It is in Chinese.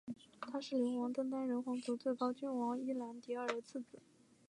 他是流亡登丹人皇族最高君王伊兰迪尔的次子。